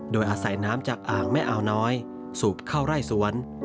โดยอาศัยน้ำจากอ่างแม่อาวน้อยสูบเข้าไร่สวน